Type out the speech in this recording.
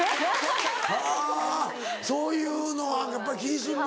はぁそういうのやっぱり気にすんの。